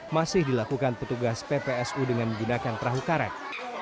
masih dilakukan petugas ppsu dengan menggunakan perahu karet